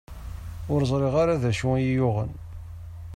Ur ẓriɣ ara d acu i yi-yuɣen.